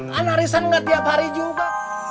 kan arisan gak tiap hari juga